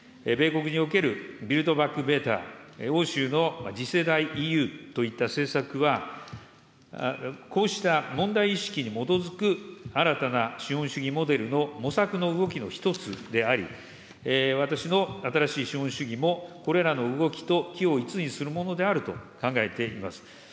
米国におけるビルドバックベター、欧州の次世代ＥＵといった政策は、こうした問題意識に基づく、新たな資本主義モデルの模索の動きの一つであり、私の新しい資本主義もこれらの動きと軌を一にするものであると考えています。